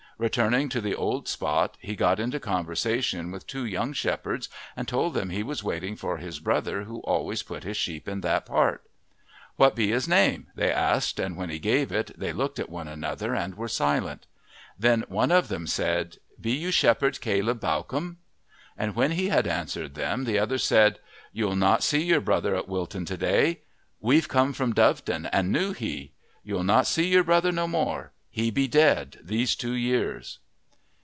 Returning to the old spot he got into conversation with two young shepherds and told them he was waiting for his brother who always put his sheep in that part. "What be his name?" they asked, and when he gave it they looked at one another and were silent. Then one of them said, "Be you Shepherd Caleb Bawcombe?" and when he had answered them the other said, "You'll not see your brother at Wilton to day. We've come from Doveton, and knew he. You'll not see your brother no more. He be dead these two years."